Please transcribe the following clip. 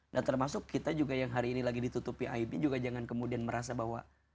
nah termasuk kita juga yang hari ini lagi ditutupi aibnya juga jangan kemudian merasa bahwa